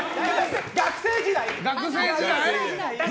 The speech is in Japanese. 学生時代！